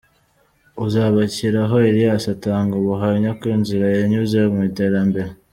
Uzabakiriho Elias atanga ubuhamya ku nzira yanyuze mu iterambere.